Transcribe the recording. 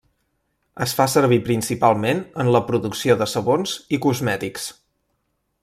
Es fa servir principalment en la producció de sabons i cosmètics.